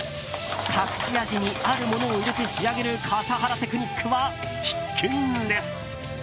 隠し味にあるものを入れて仕上げる笠原テクニックは必見です。